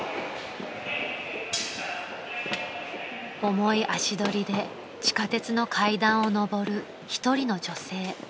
［重い足取りで地下鉄の階段を上る１人の女性］